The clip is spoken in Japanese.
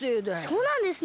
そうなんですね。